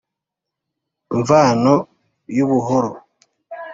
Mvano y'ubuhoro